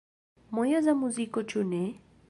Mojosa muziko, ĉu ne?